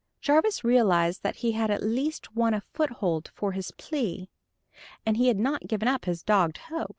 Jarvis realized that he had at least won a foothold for his plea. And he had not given up his dogged hope.